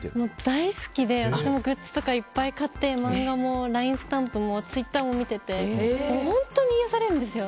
大好きで私もグッズとかいっぱい買って漫画も、ＬＩＮＥスタンプもツイッターも見てて本当に癒やされるんですよ。